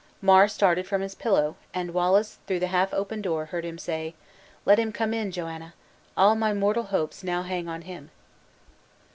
Mar started from his pillow, and Wallace through the half open door heard him say: "Let him come in, Joanna! All my mortal hopes now hang on him."